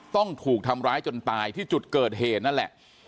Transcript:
ต้องถูกทำร้ายจนตายที่จุดเกิดเหตุนั่นแหละ